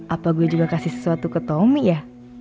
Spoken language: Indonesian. apa gue juga kasih sesuatu ke tommy ya